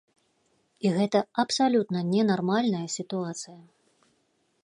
І гэта абсалютна ненармальная сітуацыя.